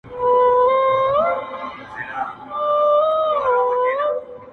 په دغه صورت مو وساتی وطن خپل!.